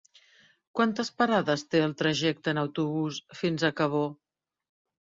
Quantes parades té el trajecte en autobús fins a Cabó?